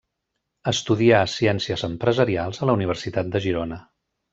Estudià Ciències Empresarials a la Universitat de Girona.